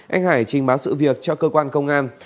anh hải trình báo sự việc cho cơ quan công an